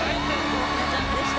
大きなジャンプでした。